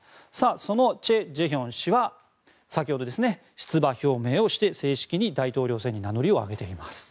そのチェ・ジェヒョン氏は先ほど出馬表明をして正式に大統領選に名乗りを上げています。